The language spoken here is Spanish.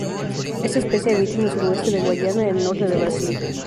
Esta especie habita en el suroeste de Guyana y el norte de Brasil.